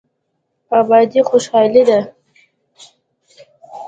ابادي خوشحالي ده.